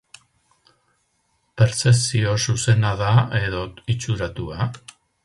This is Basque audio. Perzepzio zuzena da edo itxuratua?